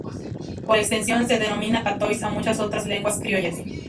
Por extensión, se denomina "patois" a muchas otras lenguas criollas.